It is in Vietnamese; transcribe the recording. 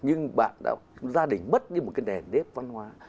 nhưng bạn đã gia đình mất đi một cái đèn nếp văn hóa